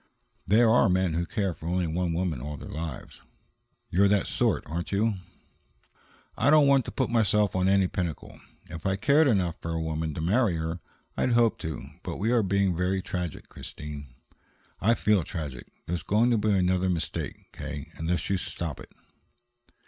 "There are men who care for only one woman all their lives." "You're that sort, aren't you?" "I don't want to put myself on any pinnacle. If I cared enough for a woman to marry her, I'd hope to But we are being very tragic, Christine." "I feel tragic. There's going to be another mistake, K., unless you stop it."